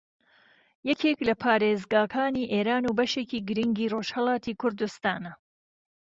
یەکێک لە پارێزگاکانی ئێران و بەشێکی گرینگی ڕۆژھەڵاتی کوردستانە